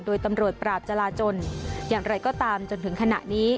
โดยตำรวจปราบจราจนอย่างไรก็ตามจนถึงขณะนี้